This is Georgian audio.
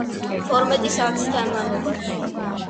თორმეტი საათის განმავლობაში,